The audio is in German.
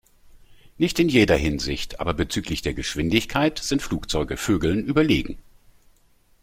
Nicht in jeder Hinsicht, aber bezüglich der Geschwindigkeit sind Flugzeuge Vögeln überlegen.